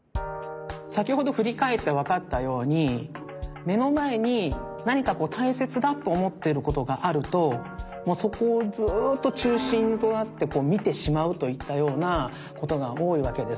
さきほどふりかえってわかったようにめのまえになにかたいせつだとおもっていることがあるとそこをずっとちゅうしんとなってみてしまうといったようなことがおおいわけです。